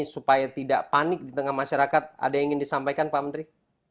supaya tidak panik di tengah masyarakat ada yang ingin disampaikan pak menteri